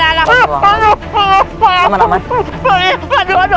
aduh aduh aduh